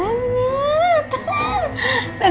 jangan sampai kedengeran rosan aku